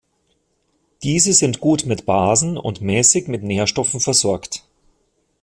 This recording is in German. Diese sind gut mit Basen und mäßig mit Nährstoffen versorgt.